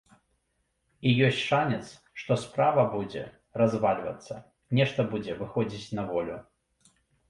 І ёсць шанец, што справа будзе развальвацца, нешта будзе выходзіць на волю.